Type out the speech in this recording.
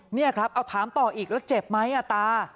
นี่ครับเอาถามต่ออีกแล้วเจ็บไหมตา